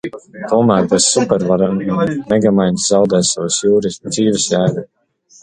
Tomēr bez supervaroņa Megamainds zaudē savas dzīves jēgu.